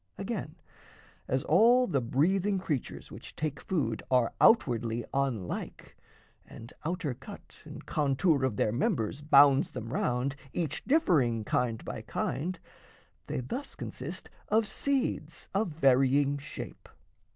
Again, As all the breathing creatures which take food Are outwardly unlike, and outer cut And contour of their members bounds them round, Each differing kind by kind, they thus consist Of seeds of varying shape.